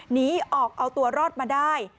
หนีออกเอาตัวรอดมาได้